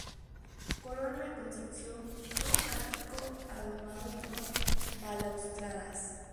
Corona la construcción un ático adornado con balaustradas.